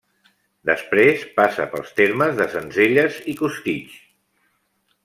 Després, passa pels termes de Sencelles i Costitx.